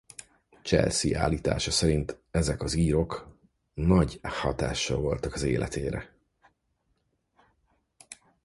Chelsea állítása szerint ezek az írok nagy hatással voltak az életére.